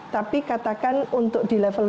tapi katakan untuk di level